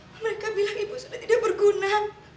mereka bilang ibu sudah tidak berguna